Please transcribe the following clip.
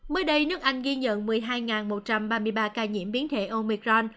mới đây nước anh ghi nhận một mươi hai một trăm ba mươi ba ca nhiễm biến thể omicron